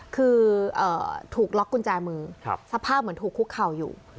คือถูกล็อกกุญแจมือสภาพเหมือนถูกคุกเข่าอยู่